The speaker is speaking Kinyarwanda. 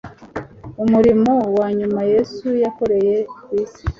umurimo wa nyuma yesu yakoreye ku isi